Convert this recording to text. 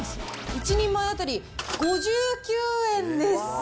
１人前当たり５９円です！